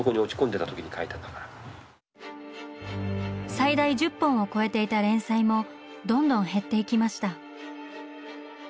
最大１０本を超えていた連載もどんどん減っていきました。